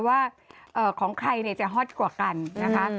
ว่าของใครจะฮอตกว่ากันนะคะ